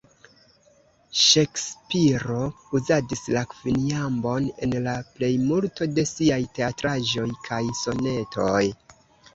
Ŝekspiro uzadis la kvinjambon en la plejmulto de siaj teatraĵoj kaj sonetoj.